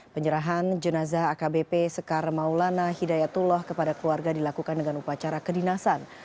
penyerahan jenazah akbp sekar maulana hidayatullah kepada keluarga dilakukan dengan upacara kedinasan